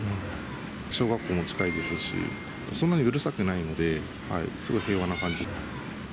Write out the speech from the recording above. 小学校も近いですし、そんなにうるさくないので、すごい平和な感じ。